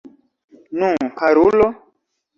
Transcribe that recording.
Nu, karulo?